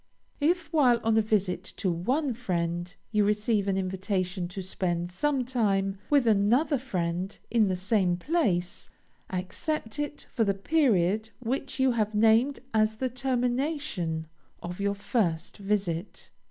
If, while on a visit to one friend, you receive an invitation to spend some time with another friend in the same place, accept it for the period which you have named as the termination of your first visit.